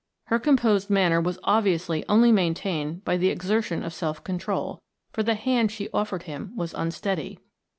Her composed manner was obviously only maintained by the exertion of self control, for the hand she offered him was unsteady.